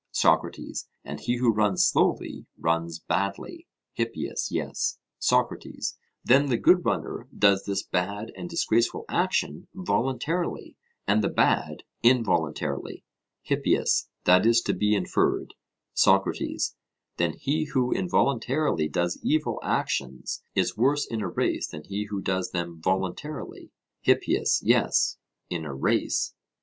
SOCRATES: And he who runs slowly runs badly? HIPPIAS: Yes. SOCRATES: Then the good runner does this bad and disgraceful action voluntarily, and the bad involuntarily? HIPPIAS: That is to be inferred. SOCRATES: Then he who involuntarily does evil actions, is worse in a race than he who does them voluntarily? HIPPIAS: Yes, in a race.